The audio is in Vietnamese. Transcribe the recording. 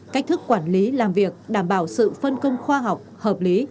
cách thức quản lý làm việc đảm bảo sự phân công khoa học hợp lý